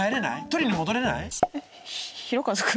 取りに戻れない？